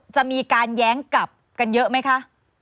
จะมีการแย้งกลับกันเยอะไหมคะ